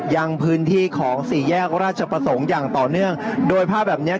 ยังพื้นที่ของสี่แยกราชประสงค์อย่างต่อเนื่องโดยภาพแบบเนี้ย